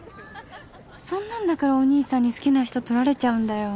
そんなんだからお義兄さんに好きな人とられちゃうんだよ